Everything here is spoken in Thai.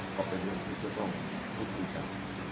ก็เป็นอย่างนี้จะต้องคุยกัน